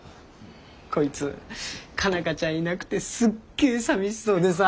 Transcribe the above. こいつ佳奈花ちゃんいなくてすっげえ寂しそうでさ。